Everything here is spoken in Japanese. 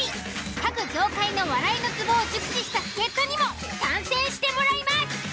各業界の笑いのツボを熟知した助っ人にも参戦してもらいます。